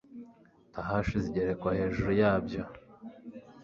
tahashi zigerekwa hejuru yabyo